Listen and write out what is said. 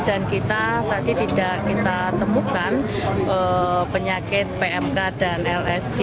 dan kita tadi tidak kita temukan penyakit pmk dan lsd